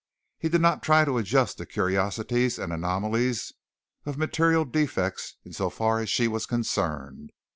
He did not try to adjust the curiosities and anomalies of material defects in so far as she was concerned.